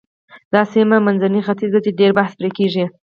دا سیمه منځنی ختیځ دی چې ډېر بحث پرې کېږي.